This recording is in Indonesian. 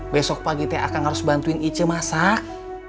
besok pagi teh akang harus bantuin ece masak